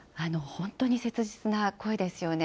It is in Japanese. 本当に切実な声ですよね。